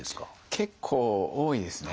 結構多いですね。